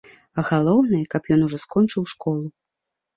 Галоўнае, каб ён ужо скончыў школу.